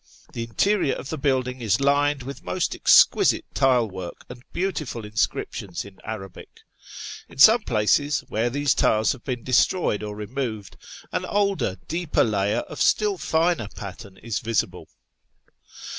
The interior of the building is lined with most exquisite tile work, and beautiful inscriptions in Arabic. In some places, where these tiles have been destroyed or removod, an older, deeper layer of still finer pattern is visible.